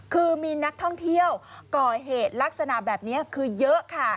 คือมีนักท่องเที่ยวก่อเหตุลักษณะแบบนี้คือเยอะค่ะ